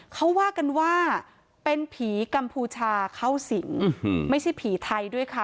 เขาว่ากันว่าเป็นผีกัมพูชาเข้าสิงไม่ใช่ผีไทยด้วยค่ะ